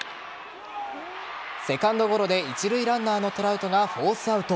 セカンドゴロで一塁ランナーのトラウトがフォースアウト。